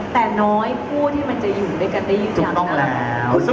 แต่น้อยผู้ที่มันจะอยู่ด้วยกันได้อยู่อย่างนั้น